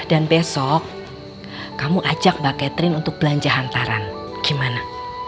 besok kamu ajak mbak catherine untuk belanja hantaran gimana